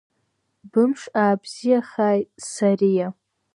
Бымш аабзиахааит, Сариа.